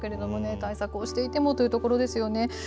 対策をしていてもというところですよね。